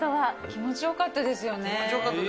気持ちよかったですよね。